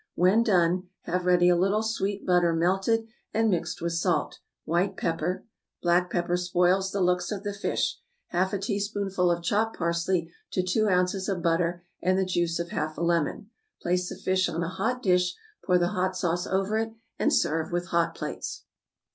When done, have ready a little sweet butter melted and mixed with salt, white pepper (black pepper spoils the looks of the fish), half a teaspoonful of chopped parsley to two ounces of butter, and the juice of half a lemon. Place the fish on a hot dish, pour the hot sauce over it, and serve with hot plates.